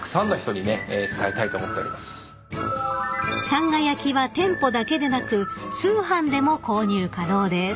［さんが焼きは店舗だけでなく通販でも購入可能です］